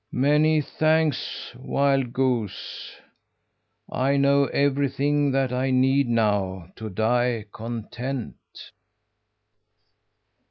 "Many thanks, wild goose! I know everything that I need know to die content!"